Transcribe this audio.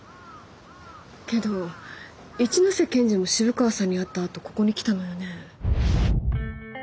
けど一ノ瀬検事も渋川さんに会ったあとここに来たのよね。